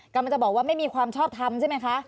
กำลังจะบอกว่าไม่มีความชอบทำใช่ไหมคะ